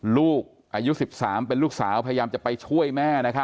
ลูกอายุ๑๓เป็นลูกสาวพยายามจะไปช่วยแม่